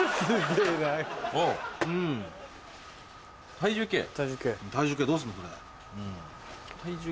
体重計で。